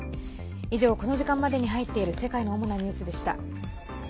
以上、この時間までに入っている世界の主なニュースでした。